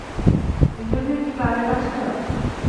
এজন্যই কি ক্লাবে কাজ করো?